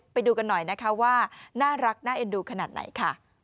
ไปดูกันหน่อยนะคะว่าน่ารักน่าเอ็นดูขนาดไหนค่ะ